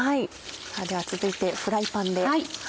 さぁでは続いてフライパンで。